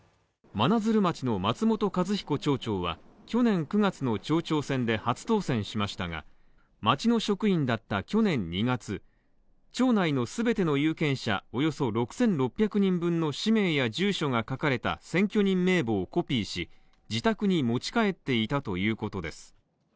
真鶴町の松本一彦町長は、去年９月の町長選で初当選しましたが町の職員だった去年２月、町内の全ての有権者およそ６６００人分の氏名や住所が書かれた選挙人名簿をコピーし自宅に持ち帰っていたということです。